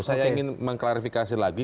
saya ingin mengklarifikasi lagi